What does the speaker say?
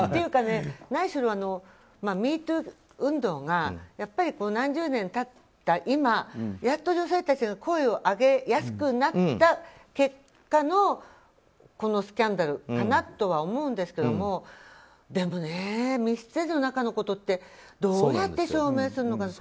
何しろ、ミートゥー運動がやっぱり何十年経った今やっと女性たちが声を上げやすくなった結果のこのスキャンダルかなとは思うんですけれどもでもね、密室での中のことってどうやって証明するのか。